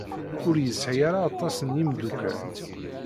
Ur yesɛi ara aṭas n yimeddukal.